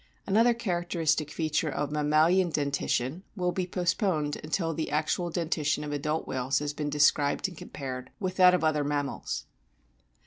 Another characteristic feature of mammalian dentition will be postponed until after the actual dentition of adult whales has been described and compared with that of other mammals.